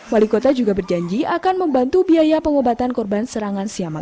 wali kota juga berjanji akan membantu biaya pengobatan korban serangan siama